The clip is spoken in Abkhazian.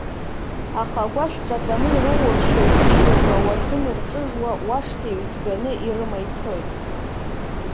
Аха агәашә ҿаҵаны ироур, шьоукы-шьоукы ауардын рҿыжуа уашҭа иҩҭганы ирыма ицоит.